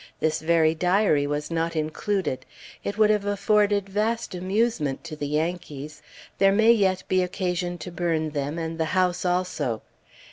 This very diary was not included. It would have afforded vast amusement to the Yankees. There may yet be occasion to burn them, and the house also.